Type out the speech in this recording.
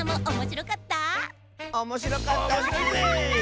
おもしろかった！